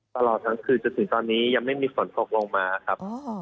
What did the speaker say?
ตลอดทั้งคืนจนถึงตอนนี้ยังไม่มีฝนตกลงมาครับ